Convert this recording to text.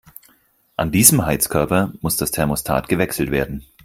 An diesem Heizkörper muss das Thermostat gewechselt werden.